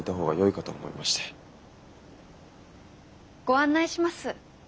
ご案内します。